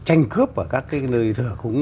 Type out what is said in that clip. chanh cướp ở các nơi cúng